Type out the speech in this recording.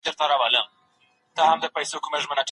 ځينې ماشومان په زور او جبر لوست کوي.